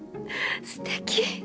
すてき！